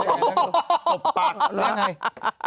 หลบปากหรือยังไง